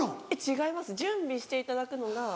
違います準備していただくのが。